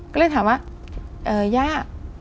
ก็เลยถามว่าย่า